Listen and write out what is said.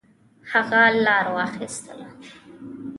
هغه لار واخیستله.